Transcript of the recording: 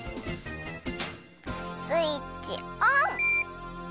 スイッチオン！